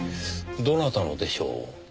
どなたのでしょう？